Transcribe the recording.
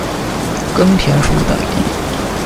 根田鼠等地。